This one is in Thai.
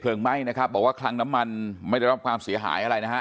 ไหม้นะครับบอกว่าคลังน้ำมันไม่ได้รับความเสียหายอะไรนะฮะ